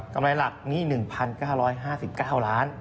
ำไรหลักนี่๑๙๕๙ล้าน